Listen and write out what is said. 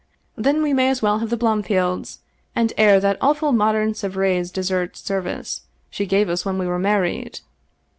Then we may as well have the Blomfields, and air that awful modem Sevres dessert service she gave us when we were married."